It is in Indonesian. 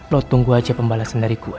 lo tunggu aja pembalasan dari gue